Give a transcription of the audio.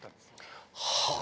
はあ！